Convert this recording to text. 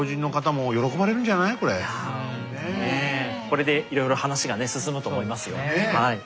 これでいろいろ話がね進むと思いますよはい。